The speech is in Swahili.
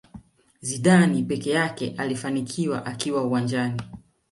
Zidane peke yake aliyefanikiwa akiwa uwanjani